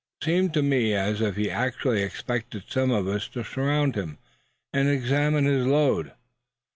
Seemed to me as if he actually expected some of us to surround him, and examine his load.